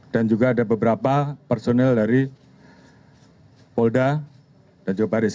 dan juga ada beberapa personel dari polda dan joparis